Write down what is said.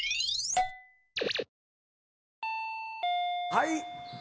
はい。